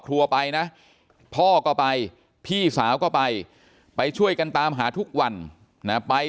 ครัวไปนะพ่อก็ไปพี่สาวก็ไปไปช่วยกันตามหาทุกวันนะไป